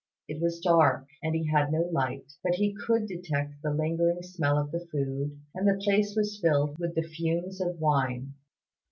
It was dark, and he had no light; but he could detect the lingering smell of the food, and the place was filled with the fumes of wine.